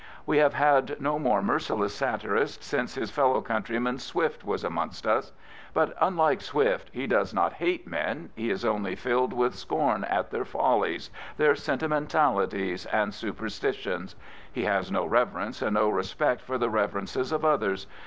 We have had no more merciless satirist since his fellow countryman, Swift, was amongst us. But, un like Swift, he does not hate men. He is only filled with scorn at their follies, their sentimentalities and superstitions. He has no reverence and no respect for the reverences of others.